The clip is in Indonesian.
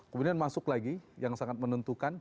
kemudian masuk lagi yang sangat menentukan